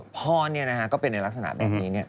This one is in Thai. พ่อเนี่ยนะคะก็เป็นในลักษณะแบบนี้เนี่ย